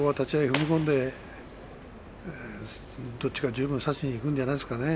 踏み込んでどっちが十分を差しにいくんじゃないですかね。